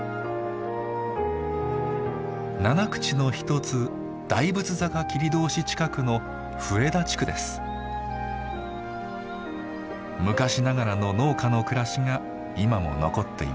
七口の一つ大仏坂切通近くの昔ながらの農家の暮らしが今も残っています。